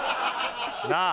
なあ？